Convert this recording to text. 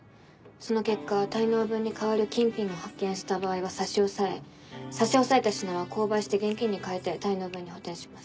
その結果滞納分に代わる金品を発見した場合は差し押さえ差し押さえた品は公売して現金に換えて滞納分に補てんします。